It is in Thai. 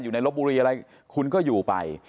อยู่ในรบบุรีอะไรคุณก็อยู่ไป